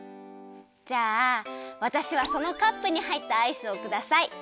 じゃあわたしはそのカップにはいったアイスをください。